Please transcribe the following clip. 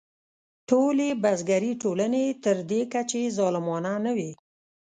ټولې بزګري ټولنې تر دې کچې ظالمانه نه وې.